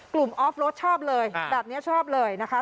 กลุ่มออฟรถชอบเลยแบบเนี้ยชอบเลยนะคะ